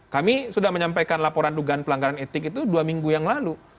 kami sudah menyampaikan laporan dugaan pelanggaran etik itu dua minggu yang lalu